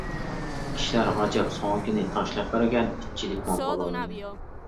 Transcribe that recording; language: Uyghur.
كىشىلەر غاجاپ سۆڭىكىنى تاشلاپ بەرگەن ئىتچىلىكمۇ بولالمىدىم.